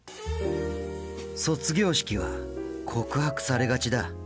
卒業式は告白されがちだ。